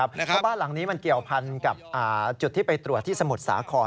เพราะบ้านหลังนี้มันเกี่ยวพันกับจุดที่ไปตรวจที่สมุทรสาคร